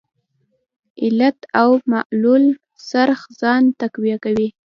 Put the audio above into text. علت او معلول څرخ ځان تقویه کاوه.